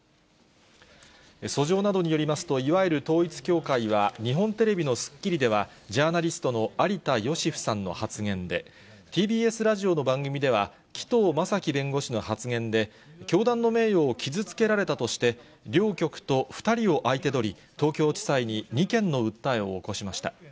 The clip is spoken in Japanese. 訴状などによりますと、いわゆる統一教会は日本テレビのスッキリでは、ジャーナリストの有田芳生さんの発言で、ＴＢＳラジオの番組では、紀藤正樹弁護士の発言で、教団の名誉を傷つけられたとして、両局と２人を相手取り、東京地裁に２件の訴えを起こしました。